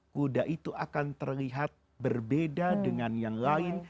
kuda itu akan terlihat berbeda dengan yang lain